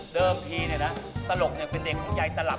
ทีตลกเป็นเด็กของยายตลับ